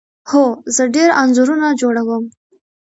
هو، زه ډیر انځورونه جوړوم